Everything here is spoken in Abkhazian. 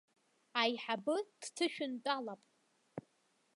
Аиҳабы дҭышәынтәалап.